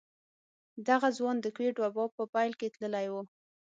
دغه ځوان د کوويډ وبا په پيل کې تللی و.